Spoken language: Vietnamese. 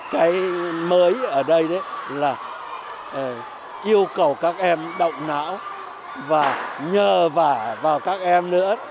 cái mới ở đây là yêu cầu các em động não và nhờ vào các em nữa